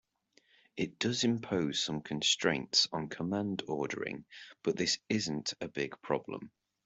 It does impose some constraints on command ordering, but this isn't a big problem.